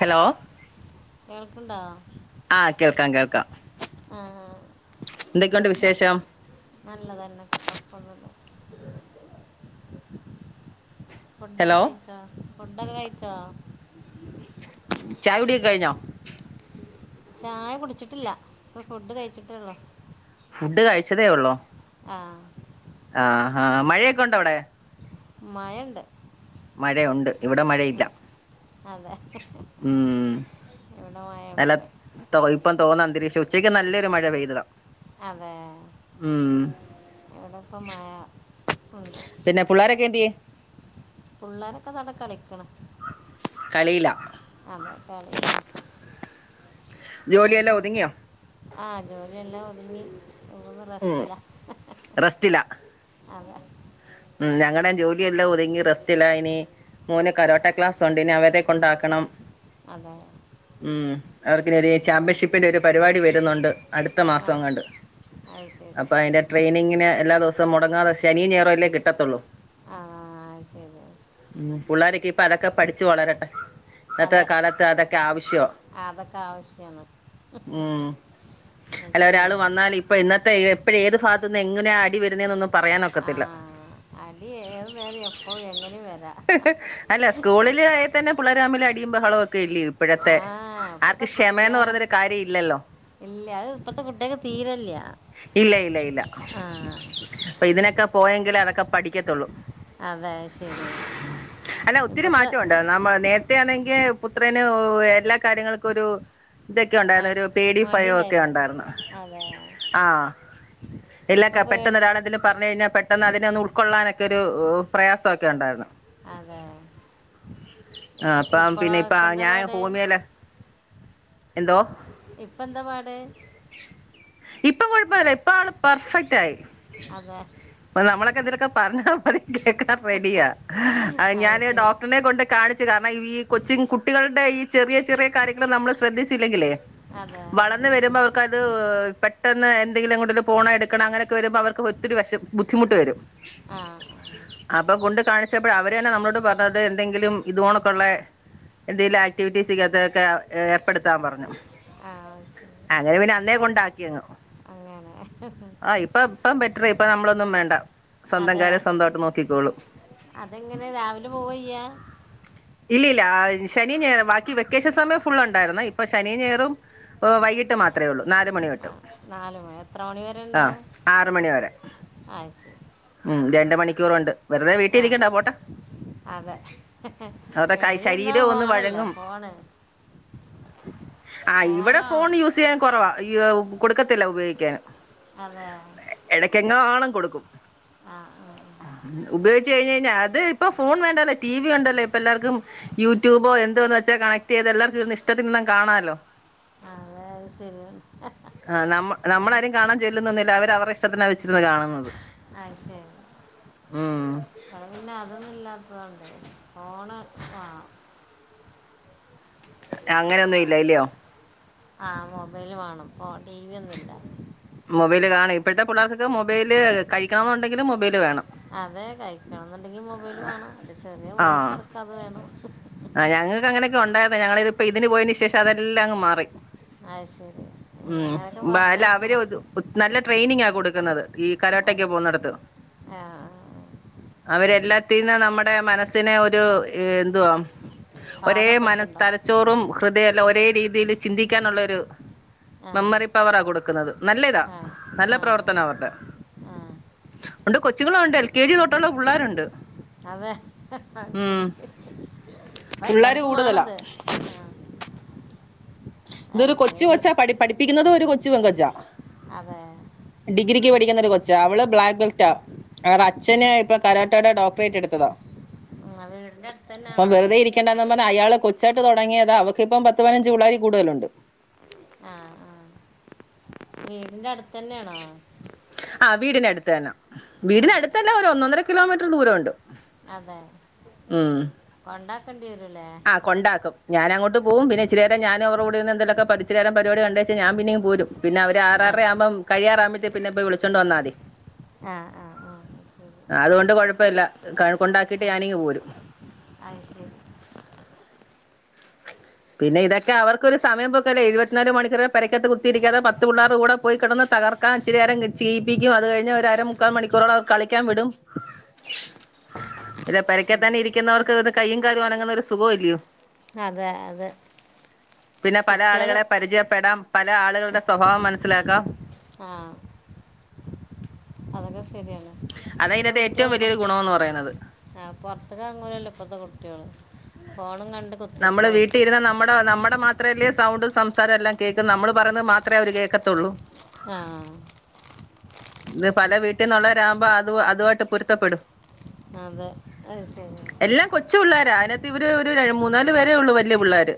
Hello കേൾക്കണ്ടോ ആ കേൾക്കാം കേൾക്കാം ആ ആ എന്തൊക്കെയുണ്ട് എന്തക്കേ? വിശേഷം നല്ലതന്നേ കൊഴപ്പൊന്നുല്ല ഫുഡൊക്കേ ഹലോ കഴിച്ചോ? ഫുഡൊക്കേ കഴിച്ചോ? ചായ കുടിയൊക്കെ കഴിഞ്ഞോ ചായ കുടിച്ചിട്ടില്ല ഇപ്പൊ ഫുഡ് കഴിച്ചിട്ടേള്ളൂ ഫുഡ് കഴിച്ചതേ ഒള്ളോ? ആ ആ ആ മഴയൊക്കെ ഉണ്ടോ അവിടെ? മഴുണ്ട് മഴയുണ്ട് ഇവിടെ മഴയില്ല അതെ ഉം ഇവിടെ മഴ നല്ല ഉണ്ട് ഇപ്പം തോന്നാ അന്തരീക്ഷം ഉച്ചക്ക് നല്ലൊരു മഴ പെയ്താ അതെ ഇവിടപ്പ മയ ഉണ്ട് എന്ത്യേ? പിള്ളോരൊക്കെ ദടെ കളിക്കണ് കളിയില അതെ കളിലാണ് ജോലിയെല്ലാം ഒതുങ്ങിയാ? ആ ജോലിയെല്ലാം ഒതുങ്ങി ഒന്നും ഉം റസ്റ്റില റെസ്റ്റില അതെ ഞങ്ങടെ ജോലിയെല്ലാം ഒതുങ്ങി റെസ്റ്റിലായിനി മോനെ കരോട്ട ക്ലാസ് ഉണ്ടിനി അവരെ കൊണ്ടാക്കണം അത അവർക്കനൊരു ചാമ്പ്യൻഷിപ്പിന്റെ ഒരു പരിപാടി വരുന്നുണ്ട് അടുത്ത ആ മാസങ്ങാണ്ട് അത് ശരി അപ്പൊ അതിന്റെ ട്രെയിനിങ്ങിന് എല്ലാ ദിവസ മുടങ്ങാത ശനി ഞായറല്ലേ കിട ട്ടതൊള്ളൂ ആ ശരി ഉ പിള്ളാരക്ക് പ്പ അതൊക്കെ പഠിച്ചച്ച് വളരട്ടെ ഇന്നത്തെ അതെ കാലത്ത് അതൊക്കെ ആവശ്യോ അതൊക്കെ ആവശ്യമാണ് ഉ ആ, അല്ല ശരി ഒരാള് വന്നാൽ ഇപ്പൊ ഇന്നത്തെ ഇപ്പോഴ ഏത് ഭാഗത്തുനിന്ന് എങ്ങനെയാ അടി വരുന്നന്നെന്നൊന്നും ആ പറയാനൊക്കത്തില്ല അടി ഏതു നേരം എപ്പഴും എങ്ങനെ വരാ പുള്ളരാമില് അടിയും ബഹളൊക്കെ ഇലയൊ ഇപ്പോഴത്തെ ഇപ്പോഴത്തെ ആർക്ക് ക്ഷമന്ന് കുട്ടികളെ പറഞ്ഞൊരു കാര്യം ഇല്ലല്ലോ ഇല്ല അത് ഇപ്പോഴത്തെ കുട്ടികൾക്ക് തീരല്ല ഇല്ല ഇല്ല ഇല്ല ആ അ ഇതിന ക്കപോയങ്കിൽ അതൊക്കപ പഠിക്കത്തുള്ളൂ അതെ ശരിയാണ് അല്ല ഒത്തിരി ഇപ്പോഴത്തെ മാറ്റമുണ്ട നമ്മ നേ [unintelligible] ആണെങ്കിൽ പുത്രന് എല്ലാ കാര്യങ്ങൾക്കും ഒരു ഇതൊക്കെ ഉണ്ടായിന്നു മടി ഒരു പേ ഡി മടി ഫൈയം ഒക്കെ ഉണ്ടായിരുന്നു അതെ ആ എല്ലാ ക ഇപ്പം പേട് പെട്ടെന്നൊരാളെ ന്തെലും പറഞ് [unintelligible] പെട്ടെന്ന് അതിനെ ഒന്ന് ഒൾക്കൊള്ളാനൊക്ക ഒരു ഒ പ്രയാസം ഒക്കെ ഉണ്ടായിരുന്നു അതെ ആ ഇപ്പ അപ്പം ഇപ്പോഴോ പിന്നെ ഇപ്പ ഇപ്പം എന്താ ഞാൻ പാട് ഹോമിയല് എന്തോ ഇപ്പ എന്താ പാട് ഇപ്പം കുഴപ്പില്ല ഇപ്പ ആള് പെർഫെക്റ്റ് ആയി അതെ കതിരക്കെ പറഞ്ഞ മതി കേക്കാൻ റെഡിയ അത് ഞാന് ശരി ഡോക്ടറിനെ കൊണ്ട് കാണിച്ചു കാരണം ഈ കൊച്ചി കുട്ടികളുടെ ഈ ചെറിയ ചെറിയ കാര്യങ്ങൾ നമ്മള് ശ്രദ്ധിച്ചില്ലെങ്കിലേ അതെ അത് വളർന്ന് ശരി വരുമ്പോ അവർക്ക് അത് പെ പെട്ടെന്ന് എന്തെങ്കിലും എങ്ങോട്ടേലും പോണ എടുക്കണം അങ്ങനൊക്കെ വരുമ്പോൾ അവർക്ക് ഒത്തിരി വശം ബുദ്ധിമുട്ട് വരും ആ ആ അപ്പൊ കൊണ്ട് കാണിച്ചപ്പോഴ അവരന്ന നമ്മളോട് പറഞ്ഞത് എന്തെങ്കിലും ഇതോണൊക്കുള്ള എന്തെിലും ആക്ടിവിറ്റീസതൊക്കെ ഏർപ്പെടുത്താൻ പറഞ്ഞു ആ ശരി അങ്ങനെ പിന്നെ അന്നേ കൊണ്ടാക്കിയങ്ങ് ആ ഇപ്പ [unintelligible] ഇപ്പം ബെറ്റ്റായി ഇപ്പം നമ്മളൊന്നും വേണ്ട സ്വന്തം അതെ കാര്യം സ്വന്തമായിട്ട് നോക്കിക്കോളും അതെങ്ങനെ രാവിലെ പോവ്യ്യാ ഇല്ലല്ല ശനി ഞായറും ബാക്കി വെക്കേഷൻ സമയം ഫുള്ള് ഉണ്ടായിരുന്നു ഇപ്പൊ ശനി ഞായറും വൈകിട്ട് മാത്രമേ ഒള്ളൂ നാല് മണി ആ [unintelligible] നാല് മണി എത്ര മണി വരെ ആ ഉണ്ടാവും ആറ് മണി വരെ ആ ശരി ഉം രണ്ട് മണിക്കൂറുണ്ട് വെറുതെ വീട്ടിൽ ആ ഇരിക്കണ്ടാ പോട്ടെ അവരുടെ കൈ വീട്ടില് ഇര്ന്നാ ശരീരം ഒന്ന് ഫോണല്ലേ വഴങ്ങും ഫോണ് ആ ഇവിടെ ഫോണാണ് ഫോൺ യൂസ് ചെയ്യാൻ കൊറവാ ഇയ്യോ കൊടുക്കത്തില്ല ഉപയോഗിക്കാൻ ആന്നോ ആണം കൊടുക്കും ഉപയോഗിച്ച് കഴിഞ്ഞ കഴിഞ്ഞാൽ അത് ഇപ്പ ഫോൺ വേണ്ടല്ലേ ടി വി ഉണ്ടല്ലേ ഇപ്പം എല്ലാർക്കും യൂട്യൂബോ എന്തോന്ന് വെച്ചാൽ കണക്ട് ചെയ്തത് എല്ലാവർക്കും ഇഷ്ടത്തിന്നും കാണാലോ അത് ശരിയ ആ നമ്മ നമ്മളാരും കാണാ ചെല്ലുന്നൊന്നുമില്ല അവരുടെഷ്ടത്തിനാണ് വെച്ചിരുന്ന് കാണുന്നത് അ ശരി ഉം ഇവിടെ പിന്നെ അതൊന്നും ഇല്ലാത്തതാണലോ ഫോണ് ആ- അങ്ങനെന്നും ഇല്ല ഇല്ലിയോ ആ മൊബൈല് വാണം ഫോൺ ടിവി ഒന്നുല്ല മൊബൈല് കാണും ഇപ്പോഴത്തെ പിള്ളേർക്ക് മൊബൈൽ കഴിക്കണമെന്നുണ്ടെങ്കും മൊബൈൽ വേണം- അതെ കഴിക്കണം അല്ലെങ്കിൽ മൊബൈൽ വേണം എ ചെറിയ ആഹ് മോൾക്കിടക്ക് അത് വേണം ആ ഞങ്ങൾക്ക് അങ്ങനെയൊക്കെ ഉണ്ടായിരുന്നു ഞങ്ങള ഇപ്പോ ഇതിന് പോയന് ശേഷം അതെല്ലാം മാറി അത് ശരി ഇനി അങ്ങനെയൊക്കെ ബ അല്ല അവര് പറഞ്ഞേക്കണം നല്ല ട്രെയിനിങ് ആ- കൊടുക്കുന്നത് ഈ കരാട്ടെക്ക് അതെ പോകുന്നിടത്ത് ആ ആ. അവരെല്ലാ- കുത്തി ഇരുന്നാൽ നമ്മുടെ മനസ്സിനെ ഒരു എന്തുവാ- ഒരേ മനസ് പാകപ്പെടുത്തുണ്ടാവും തലച്ചോറും ഹൃ ഇതല്ല ഒരേ രീതിയിൽ ചിന്തിക്കാനുള്ളൊരു ആ മെമ്മറി പവറാ കൊടു കുന്നത്. നല്ല ഇതാ ആ നല്ല ആ പ്രവർത്തനം അവരുടെ ആ ആ ഉണ്ട് കൊച്ചുങ്ങളും ഉണ്ട് എൽ കെ ജി തൊട്ടുള്ള പിള്ളേരുണ്ട് അതെ ഉം ശരി അപ്പ പിള്ളേര് എല്ലാർക്കും കൂടുതലാ വേണത് അ ഇത് ഒരു കൊച്ച് കൊച്ചാ പട് പഠി പ്പിക്കുന്നത് ഒരു കൊച്ചു പെൺ കൊച്ചാ അതെ ടിക്കുന്ന ഒരു കൊച്ച അവള് ബ്ലാക്ക് ബെൽറ്റാ. അവടെ അച്ഛന് ഇപ്പൊ കരോട്ടയുടെ ഡോക്ടറേറ്റ് എടുത്തതാ ഉം, ആ വീടിൻ്റെ അടുത്ത് അപ്പം തന്നെയാണോ വെറുതെ ഇരിക്കേണ്ടന്ന പറഞ്ഞ അയാള് കൊച്ച ടങ്ങിയതാ അവക്ക് ഇപ്പ പത്ത് പതിനഞ്ച് പിള്ളാര് കൂടുതലുണ്ട് വീടിന്റെ അടു തന്നെയാണോ വീടിനടുത്താണ് അതെ വീടിനടുത്തല്ല ശരി ഒരു ഒന്നൊന്നര കിലോമീറ്റർ ദൂരണ്ട് അതെ കൊണ്ട വരുലെ ഞാന അങ്ങോട്ട പോവും പിന്ന ഇച്ചിരിനേരം ഞാനും അവരുടെകൂടെ ന്ന് എന്തെക്ക പഠിച്ച പരിപാടി കണ്ടുവച്ച ഞാൻ പിന്നെ ഇങ് പോരും പിന്നെ അവര് ആ ആറആറര ആകുമ്പം കഴിയാറ പിന്നെപ്പോ വിളിച്ചോണ്ട് വന്നാ മതി ആ ആ ആ ശരി അതുകൊണ്ട് കൊഴപ്പമില്ല, കൊണ്ടാക്കിട്ട് ആ ഞാനിങ് പോരും അത് ശരി പിന്നെ ഇതൊക്കെ അവർക്കൊരു സമയം പൊക്കല്ലേ ഇരുപത്തിനാല് മണിക്കൂറെ പരരിക്കത്ത് കുത്തിയിരിക്കാതെ പത്ത് പിള്ളേർ കൂടെ പോയി കിടന്ന് തകർക്കാൻ ഇച്ചിരി നേരം ചെയിപ്പിക്കും അത് കഴിഞ്ഞഞ് ഒരര മുക്കാല് മണിക്കൂറോട് അവർക്ക് കളിക്കാൻ വി അതെ അതെ പിന്നെ പല കുട്ടികൾ ആളുകളെ പരിചയപ്പെടാം പല ആളുകളുടെ സ്വഭാവം മനസ്സിലാക്കാം ആ അവരെ ശരിയാണ് അതാ ഇപ്പത്തെ ഇതിനകത്തെ ഏറ്റവും കുട്ട്യോളെ പൊ വലിയൊരു ഗുണമെന്ന് പറയുന്നത് പുറത്ത് ഫോണും കണ്ട് നമ്മള് കുത്തിരിക്കുക ഒത്തു വീട്ടിലിരുന്ന്നമ്മുടെ നമ്മുടെ മാ മാത്രല്ലേ സൗണ്ട് സംസാരം എല്ലാം കേൾക നമ്മള് പറഞ്ഞത് മാത്രമേ അവര് കേൾക്കത്തുള്ളൂ ആ ഇന്ന്പല വീട്ടിൽന്നുള്ളവരാകുമ്പോ അത് അതുമായിട്ട് പൊരുത്തപ്പെടും അതെ അത് ശരി എല്ലാം കൊച്ചു പിള്ളോരാ അതിനകത്ത് ഇവര് ഒരു മൂന്നാല് പരേ ഉള്ളൂ വലിയ പിള്ളേര്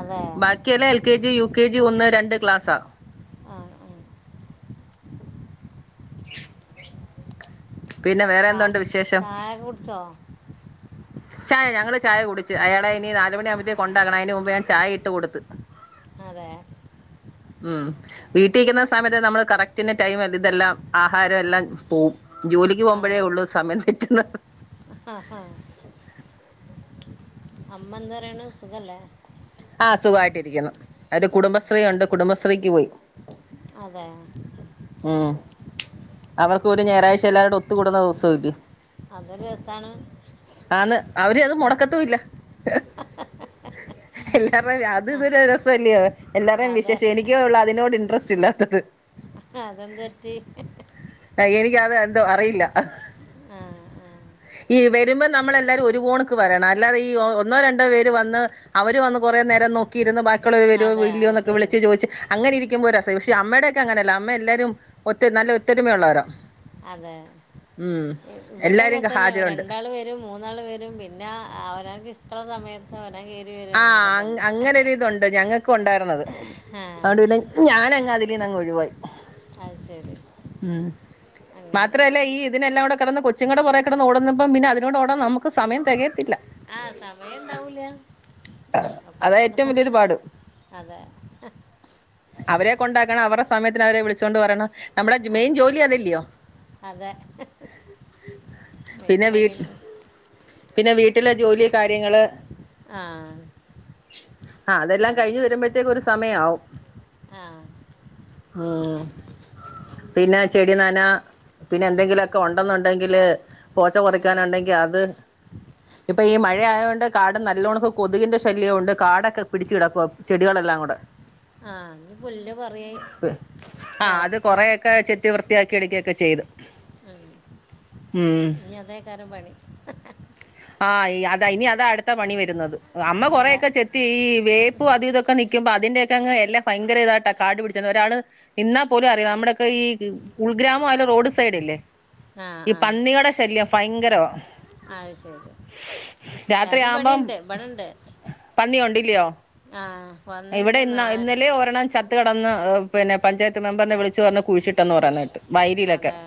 അതെ ബാക്കിയെല്ലാംഎൽ K G U K L K G ഒന്ന് രണ്ട് ക്ലാസ്സാ ആ ആ. [unintelligible] പിന്നെ വേറെ ചാ എന്തുണ്ട് വിശേഷം ചായ കുടിച്ചോ ചായ ഞങ്ങള്ൾ ചായ കുടിച്ച് അയാളെ ഇനി നാലുമണിയ ആകുമ്പത്തേ കൊണ്ടാക്കണം അതിന് മുമ്പ് ഞാൻ ചായ ഇട്ട് കൊടുത്ത് അതെ ഉം വീട്ടിരിക്കുന്ന സമയത്ത് നമ്മള് കറക്റ്റിന് ടൈമ് ഇതെല്ലാം ആഹാരം എല്ലാം പോവും ജോലിക്ക് ആ പോകുമ്പഴേ ഒള്ളൂ സമയം [unintelligible] ആ ആ അമ്മ എന്ത്പറയ്ണ് സുഖല്ലേ ആ സുഖമായിട്ടിര്ക്കുന്നു ഒര് ആ കുടുംബശ്രീ ഉണ്ട് കുടുംബശ്രീ ത്രേക്ക് പോയി അതേ ഉം അവർക്ക് ഒരു ഞായറാഴ്ച എല്ലാവരുടെ ഒത്ത്കൂടുന്ന ദെവസംല്ലെ അതൊരു രസാണ് അന്ന് അവര് അത് മുടക്കത്തു ഇല്ല ഇ ണം അത് ഇതൊരു രസല്ലിയോ എല്ലാര്ടേം അതെ വിശേഷം എനിക്കെ ഒള്ളെ തിനോട് ഇൻട്രസ്റ്റ് ഇല്ലാത്തത് അ അതെന്ത് പറ്റി അ എനിക്ക് അത് എന്തോ അറിയില്ല ആ ആ ഈ വരുമ്പോ നമ്മളല്ലാരും ഒരുപോണക്ക് വരണം അല്ലാതെ ഈ ഒന്നോ രണ്ടോ പേര് വന്ന് അവര് വന്ന് കൊറേ നേരം നോക്കിയിര്ന്ന് ബാ കള് വരോ അതെ അത് വരില്ലയോന്നൊക്കെ‌ ശരി ‌വിളിച്ച് ചോദിച്ച് അങ്ങനെയിരി ക്കുമ്പോ ഒരു രസാ പക്ഷെ അമ്മയുടെക്കെ അങ്ങനല്ല അമ്മ എല്ലാരും ഒറ്റ നല്ല ത്തൊരുമ ഉള്ളവരാ അതെ ഇവിടിം എല്ലാരും അങ്ങനെ തന്നെ ഹാജരുണ്ട് രണ്ടാള് വരും മൂന്നാൾ വരും പിന്നെ അവരാന്ക്ക് ഇഷ്ടള്ളസമയ [unintelligible] ആ അങ്ങ് അങ്ങനെരിതുണ്ട് ഞങ്ങ ക്കുണ്ടായിര്ന്നത് ആ [unintelligible] ഞാനെ തിലെന്നങ്ങ് ഒഴിവായി അത്ശരി ഉം മാത്രല്ല ഈ ഇതിനെല്ലാം കൂടെ കെടന്ന് കൊച്ചിങ്ങടെ പൊറകെ കെടന്ന് ഓടുമ്പം പിന്നെ അതിനോട് ഓടാൻ നമുക്ക് സമയം തെകയത്തില്ല അതാ അകെംകൊണ്ട് ഏറ്റവും സ വലിയൊരു പാട് അതെ അവരെ കൊണ്ടാക്കണം അവറെ സമയത്തിന് അവരെ വിളിച്ചോണ്ട് വരണം നമ്മുടെ അതെ മെയിൻ ജോലി അതല്ലിയോ അതെ മെയിൻ പിന്നെ വീ ജോലിയെന്നെ പിന്നെ വീട്ടിലെ ജോലി കാര്യങ്ങള് ആ ആ അതെല്ലാം അതെ കഴിഞ്ഞ് വരുമ്പഴ്‌ത്തേക്കു ഒരു സ് സമയാവും ആ ഉം പിന്നെ ചെടി നനാ പിന്നെ എന്തെങ്കിലും ഒക്കെ ഒണ്ടെന്നുണ്ടെങ്കില് പോച്ച ഉം. പറിക്കാനുണ്ടെങ്കിൽ അത് ഇപ്പൊ ഈ മഴ ആയത് കൊണ്ട് കാട് നല്ലോണം കൊതുകിന്റെ ശല്യം ഉണ്ട് കാടൊക്കെ പിടിച്ച് കിടക്കുവാ ചെടികളെല്ലാം കൂടെ ആ ഞ്ഞ് പുല്ല് പറി കളക്കാ ത്തിയാക്കി എട്ക്കേക്കെ ചെയ്ത് ഇനി അതേക്കാരം പണി ആഹ് അതാ ഇനി അതാ അടുത്ത പണി വരുന്നത് അമ്മ കൊറേ അതെ യൊക്കെ ചെത്തീ ഈ വേപ്പും അതൂ ഇതൊക്കെ നി ക്കുമ്പോ അതിന്റെ ഒക്കെ അങ്ങ് എല്ലം ഭയങ്കര ഇതായിട്ടാ കാടു പിടിച്ച ഒരാള് നിന്നാൽ പോലും അറിയാൻ നമ്മുടെ ഒക്കെ ഈ ഉൾഗ്രാമ ആയാലും റോഡ് സൈഡില്ലേ ആ ഈ ആ പന്നികടെ ശല്യം ഭയങ്കരവാ അഹ്ശരി അത് രാത്രിയാവുമ്പം ബടിം ണ്ട് ബടണ്ട് ല്ലിയോ ആ ഇവിടെ ഇന്നാ ഇന്നലേം ഒരെണ്ണം ച ത്ത് കെടന്ന് പിന്നെ പഞ്ചായത്ത് മെമ്പറിനെ വിളിച്ച് പറഞ്ഞ് കുഴിച്ചിട്ടെന്ന് പറയണ കേട്ട് വയലിയിലൊക്കെ അതെ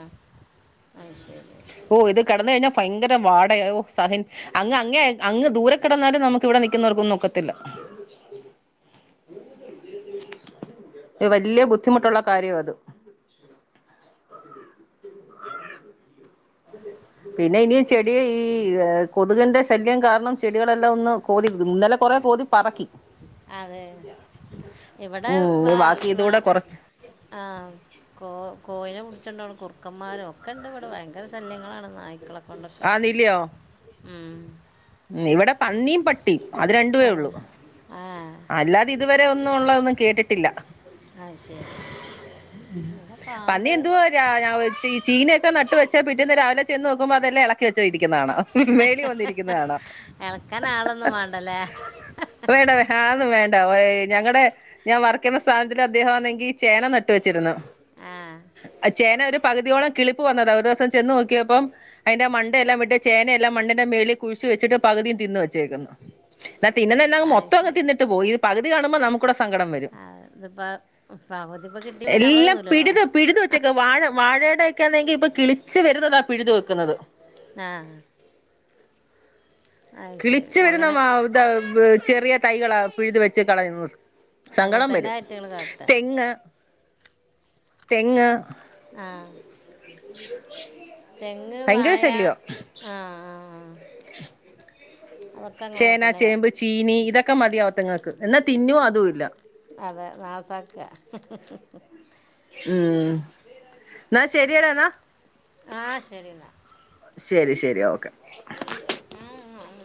അഹ് ശരി ഓ ഇത് കിടന്ന് കഴിഞ്ഞാ ഭയങ്കര വാടയാ സഹിൻ അങ്ങ് അങ് അങ്ങ് ദൂരെ കിടന്നാലും നമുക്ക് ഇവിടെ നിക്കുന്നവർക്കൊന്നും ഒക്കത്തില്ല വല്ല്യ ബുദ്ധിമുട്ടുള്ള കാര്യവാ അത് പിന്നെ ഇനിയും ചെടി ഈ കൊതുകിന്റെ ശല്യം കാരണം ചെടികളെല്ലാം ഒന്ന് കോതി ഇന്നലെ കൊറെ കോതി പറക്കി അതെ ഇവിടെ ഉം ബാക്കി ഇതൂടെ കുറച്ച് ആ കോ കോയിനെ ച്ചൊണ്ടോവ്ണ കുർക്കന്മാരോ ക്കണ്ട് ഇവിടെ ഭയങ്കര ശല്യങ്ങളാണ് നായ്ക്കളെ കൊണ്ടൊക്കെ ആന്നില്ലയോ ഉം ഇവിടെ പന്നിയും പട്ടി അത് രണ്ടുവേ അതെ ഉള്ളു ആ അല്ലാതെ ഇതുവരെ ഒന്നും ഉള്ളതൊന്നും കേട്ടിട്ടില്ല ആ ശരി ഇവിടെ പന്നി പാമ്പ് എന്തുവാ രാ ഞൻ ചീനയൊക്കെ ന വെച്ചാ പിറ്റീന്ന് രാവിലെ ചെന്ന് നോക്കുമ്പോ അതല്ലാം ഇളക്കി വെച്ചരിക്ക്ന്ന് കാണാം മേളി വന്നിരിക്കുന്നത് കാണാം എളക്കാനാളൊന്നും വേണ്ടല്ലേ വേണ്ട ആ അതൊന്നും വേണ്ട ഏയ് ഞങ്ങടെ ഞാൻ വർക്ക് ചെയ്യ്ണ സ്ഥാപനത്തില് അദ്ദേഹം ചേന നട്ട് വച്ചിരുന്നു ആ ആ ചേന പകുതിയോളം കിളി പോകുന്നതാ ഒരു ദിവസം ചെന്ന് നോക്കിയപ്പം അയ്ന്റെ മണ്ടയെല്ലാം ചേനയെല്ലാം മണ്ണിന്റെ മേളി കുയിച്ച് വെച്ചിട്ട് പകുതി തിന്ന് വച്ചേക്കുന്നു ന്നെ അത് മൊത്തം ശരി തിന്നിട്ട്പോയി പകു ഇത് കാണുമ്പോ നമുക്കുടെ സങ്കടം വരും. ആ, ഇതിപ്പോ പകുതിപ്പ കിട്ടിയപ്പ [unintelligible] വഴയുടെ ഒക്കെ ആന്നെങ്കിൽ ഇപ്പ കിളിച്ച് വരുന്നതാ പിഴുതു വെക്കുന്നത്. ആഹ് കിളിച്ചു വരുന്ന അങ്ങനെ വാ ഇത വ് ചെറിയ തൈകളാ. പിഴുത് വെച്ച് കളയുന്നു. അങ്ങനെ സങ്കടം തന്നെ വരും ഐറ്റങ്ങൾ കാട്ടുക തെങ്ങ് തെങ്ങ് ആ [inaudible] തെങ്ങ് ഭയങ്കര വായ ശല്യവാ ആഹ ആ അതൊക്കെ അങ്ങനെ ചേന തന്നെ ചേമ്പ് കാട്ടും ചീനി ഇതൊക്കെ ക്ക മതിയാ അതിറ്റ ങ്ങൾക്ക് എന്നാ തിന്നോ അതും ഇല്ല അതെ നാസാക്ക ഹി ഹി ഹി ഉം എന്ന ശരിയടാന്നാ ആഹ ശരി എന്നാ ശരി ശരി ഓക്കെ [unintelligible]